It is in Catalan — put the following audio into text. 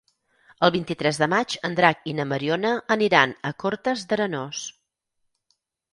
El vint-i-tres de maig en Drac i na Mariona aniran a Cortes d'Arenós.